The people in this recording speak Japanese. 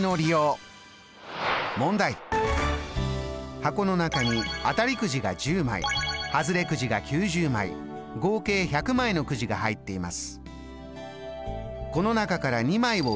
箱の中に当たりくじが１０枚ハズレくじが９０枚合計１００枚のくじが入っています。